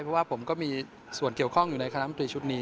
เพราะว่าผมก็มีส่วนเกี่ยวข้องอยู่ในคณะมนตรีชุดนี้